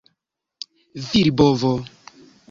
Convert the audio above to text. virbovo